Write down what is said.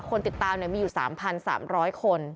คนติดตามมีอยู่๓๓๐๐คน